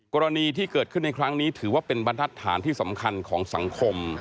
กรณีที่เกิดขึ้นในครั้งนี้ถือว่าเป็นบรรทัศน์ที่สำคัญของสังคม